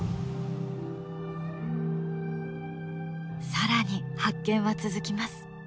更に発見は続きます。